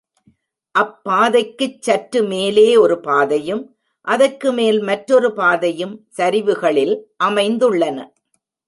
அப்பாதைக்குச் சற்று மேலே ஒரு பாதையும், அதற்கு மேல் மற்றொரு பாதையும் சரிவுகளில் அமைந்துள்ளன.